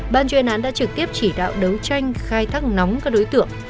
ban chuyên án đã trực tiếp chỉ đạo đấu tranh khai thác nóng các đối tượng